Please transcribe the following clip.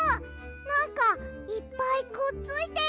なんかいっぱいくっついてる！